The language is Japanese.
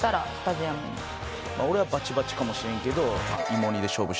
俺はバチバチかもしれんけど。